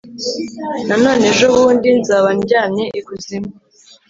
nanone ejobundi nzaba ndyamye ikuzimu